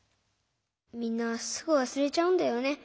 みんなすぐわすれちゃうんだよね。